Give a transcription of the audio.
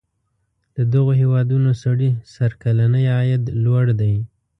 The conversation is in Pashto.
د دغو هیوادونو سړي سر کلنی عاید لوړ دی.